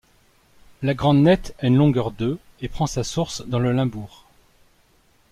La Grande Nèthe a une longueur de et prend sa source dans le Limbourg.